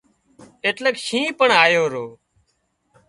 ايٽليڪ شِينهن پڻ آيو رو